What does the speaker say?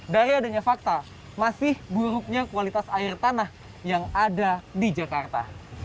dari adanya fakta masih buruknya kualitas air tanah yang ada di jakarta